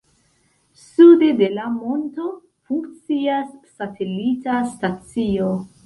Sude de la monto funkcias satelita stacio.